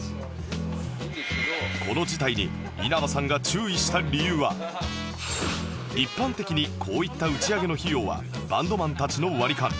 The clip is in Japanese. この事態に稲葉さんが一般的にこういった打ち上げの費用はバンドマンたちの割り勘